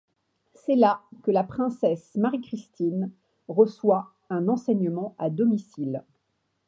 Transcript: C'est là que la princesse Marie-Christine reçoit un enseignement à domicile.